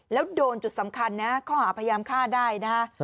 แล้วโดนจุดสำคัญนะข้อหาพยายามฆ่าได้นะฮะ